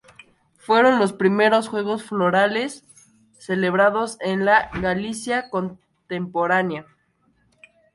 Fueron los primeros juegos florales celebrados en la Galicia contemporánea.